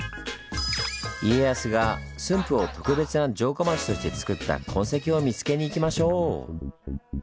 家康が駿府を特別な城下町としてつくった痕跡を見つけにいきましょう！